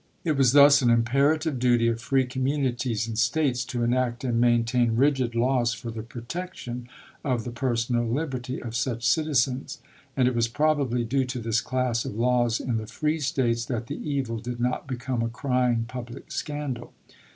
It was thus an imperative duty of free communities and States to enact and maintain rigid laws for the protection of the personal liberty of such citizens ; and it was probably due to this class of laws in the free States that the evil did not become a crying public scandal.